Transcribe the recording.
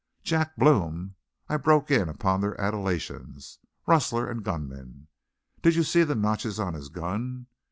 "Jack Blome!" I broke in upon their adulations. "Rustler and gunman. Did you see the notches on his gun?